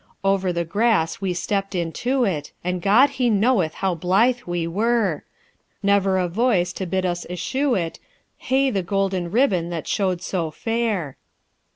"Over the grass we stepped into it, And God He knoweth how blithe we were! Never a voice to bid us eschew it; Hey the green ribbon that showed so fair!